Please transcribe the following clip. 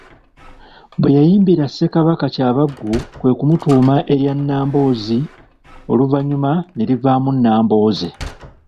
Bwe yayimbira Ssekabaka Kyabaggu kwe kumutuuma erya Nnamboozi oluvannyuma ne livaamu Nnambooze.